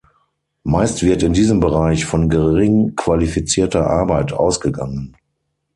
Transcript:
Meist wird in diesem Bereich von gering qualifizierter Arbeit ausgegangen.